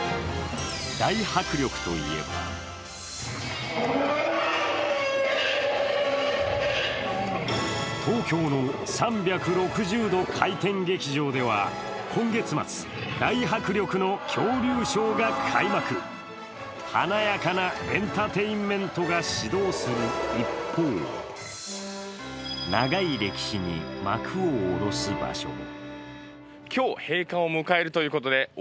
大迫力といえば東京の３６０度回転劇場では今月末、大迫力の恐竜ショーが開幕華やかなエンターテインメントが始動する一方長い歴史に幕を下ろす場所も。